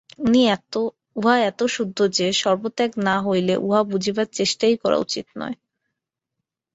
উহা এত শুদ্ধ যে, সর্বত্যাগ না হইলে উহা বুঝিবার চেষ্টাই করা উচিত নয়।